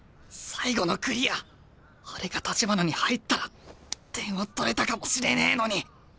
最後のクリアあれが橘に入ったら点を取れたかもしれねえのに。